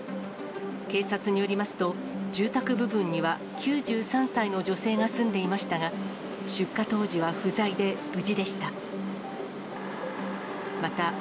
警察によりますと、住宅部分には９３歳の女性が住んでいましたが、出火当時は不在で、無事でした。